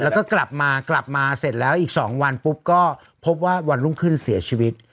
แล้วก็กลับมากลับมาเสร็จแล้วอีก๒วันปุ๊บก็พบว่าวันรุ่งขึ้นเสียชีวิต